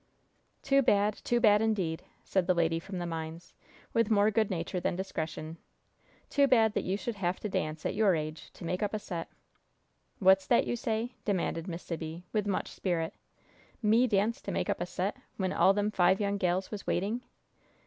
"Too bad! Too bad, indeed!" said the lady from the mines, with more good nature than discretion; "too bad that you should have to dance, at your age, to make up a set!" "What's that you say?" demanded Miss Sibby, with much spirit. "Me dance to make up a set, when all them five young gals was waiting?